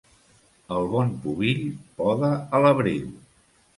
El bon pubill poda a l'abril.